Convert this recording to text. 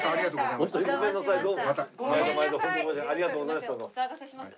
毎度毎度ありがとうございました。